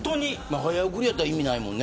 早送りだったら意味ないもんね。